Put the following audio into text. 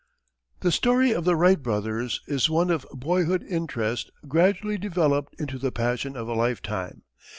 The story of the Wright brothers is one of boyhood interest gradually developed into the passion of a lifetime.